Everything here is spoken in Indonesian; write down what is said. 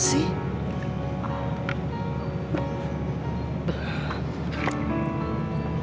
gak ada apa sih